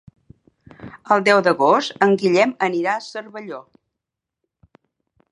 El deu d'agost en Guillem anirà a Cervelló.